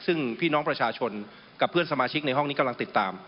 ซึ่งพี่น้องประชาชนกับเพื่อนสมาชิกในห้องนี้กำลังติดตาม